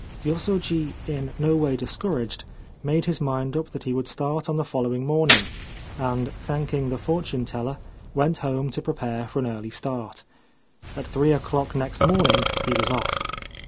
Yosoji, in no way discouraged, made his mind up that he would start on the following morning, and, thank ing the fortune teller, went home to prepare for an early start. At three o'clock next morning he was off.